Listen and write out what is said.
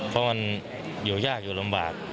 เพราะมันอยู่ยากอยู่ลำบาก